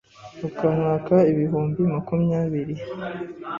ukamwaka ibihumbi makumyabiri ,